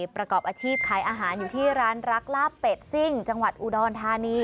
ประกอบอาชีพขายอาหารอยู่ที่ร้านรักลาบเป็ดซิ่งจังหวัดอุดรธานี